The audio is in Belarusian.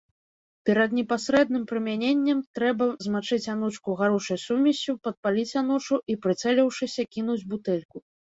Перад непасрэдным прымяненнем трэба змачыць анучку гаручай сумессю, падпаліць анучу, і прыцэліўшыся кінуць бутэльку.